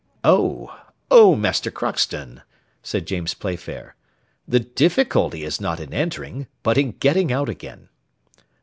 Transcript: "Oh! oh! Master Crockston," said James Playfair, "the difficulty is not in entering, but in getting out again."